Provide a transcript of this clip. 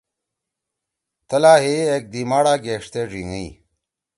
تھلا ہئے ایکدی ماڑا گیݜتے ڙھیِنگی۔